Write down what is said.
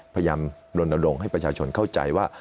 พยายามรณรงค์ให้ประชาชนเข้าใจว่า